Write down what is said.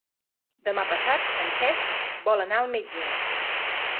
Demà passat en Cesc vol anar al metge.